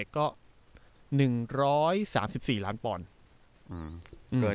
ก็๑๓๔ล้านปอนด์